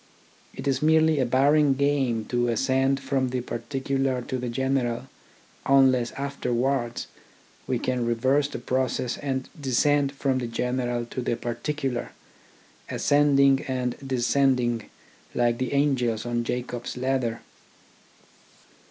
It is merely a barren game to ascend from the parti cular to the general, unless afterwards we can reverse the process and descend from the general to the particular, ascending and descending like the angels on Jacob's ladder.